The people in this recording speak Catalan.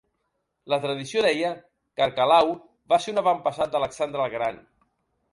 La tradició deia que Arquelau va ser un avantpassat d'Alexandre el Gran.